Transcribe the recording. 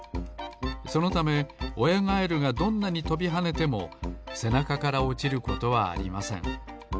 そのためおやガエルがどんなにとびはねてもせなかからおちることはありません。